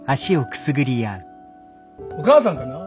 お母さんかな？